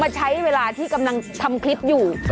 มาใช้เวลาที่ตั้งคลิปอยู่